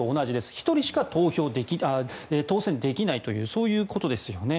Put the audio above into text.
１人しか当選できないということですよね。